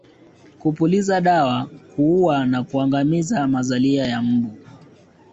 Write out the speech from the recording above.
Kupuliza dawa kuua na kuangamiza mazalia ya mbu